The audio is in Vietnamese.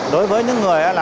đối với những người